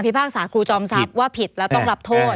พากษาครูจอมทรัพย์ว่าผิดแล้วต้องรับโทษ